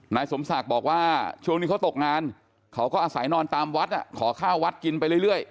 นายสมศักดิ์บอกว่าช่วงนี้เขาตกงานเขาก็อาศัยนอนตามวัดขอข้าววัดกินไปเรื่อย